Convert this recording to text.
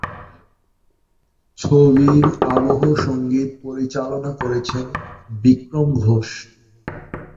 ছবির আবহ সংগীত পরিচালনা করেছেন বিক্রম ঘোষ।